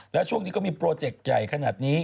แล้วช่วงนี้ก็มีโปรเจกต์ใหญ่ขนาดนี้